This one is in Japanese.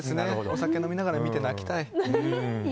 お酒を飲みながら見て泣きたい。